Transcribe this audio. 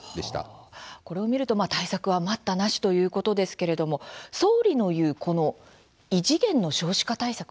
これを見ると対策は待ったなしということですけれども総理の言う異次元の少子化対策